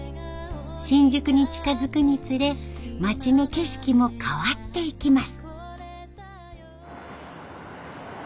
新宿に近づくにつれ町の景色も変わっていきます。